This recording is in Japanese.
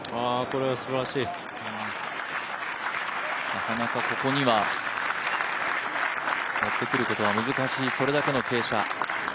なかなかここには持ってくることは難しい、それだけの傾斜。